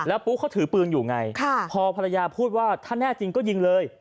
ปุ๊กเขาถือปืนอยู่ไงพอภรรยาพูดว่าถ้าแน่จริงก็ยิงเลย